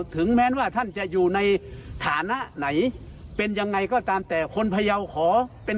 ถึงแม้ว่าท่านจะอยู่ในฐานะไหนเป็นยังไงก็ตามแต่คนพยาวขอเป็น